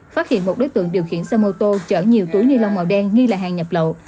phát hiện một đối tượng điều khiển xe mô tô chở nhiều túi ni lông màu đen nghi là hàng nhập lậu